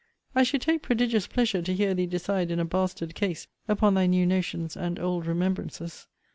I should take prodigious pleasure to hear thee decide in a bastard case, upon thy new notions and old remembrances.